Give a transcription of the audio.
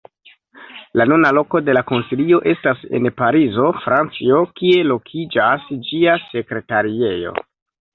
La nuna loko de la Konsilio estas en Parizo, Francio, kie lokiĝas ĝia Sekretariejo.